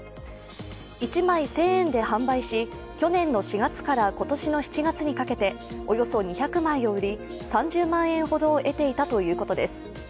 １枚１０００円で販売し、去年の４月から今年の７月にかけておよそ２００枚を売り、３０万円ほどを得ていたということです。